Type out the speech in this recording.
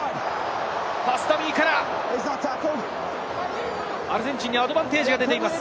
パスダミーから、アルゼンチンにアドバンテージが出ています。